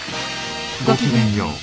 ごきげんよう。